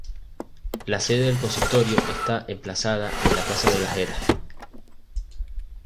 La sede del consistorio está emplazada en la plaza de la Eras.